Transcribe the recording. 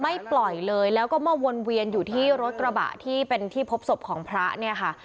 ไม่ปล่อยเลยแล้วก็มาวนเวียนอยู่ที่รถกระบะที่เป็นที่พบศพของพระเนี่ยค่ะ